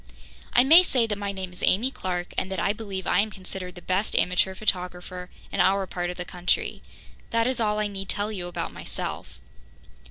I may say that my name is Amy Clarke, and that I believe I am considered the best amateur photographer in our part of the country. That is all I need tell you about myself.